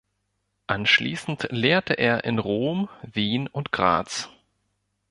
Anschließend lehrte er in Rom, Wien und Graz.